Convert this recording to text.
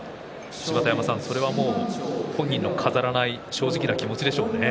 それはもう本人の飾らない正直な気持ちでしょうね。